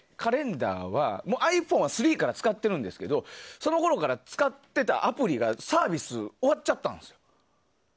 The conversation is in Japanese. ｉＰｈｏｎｅは、３から使ってるんですけどそのころから使ってたアプリがサービス終わっちゃったんです。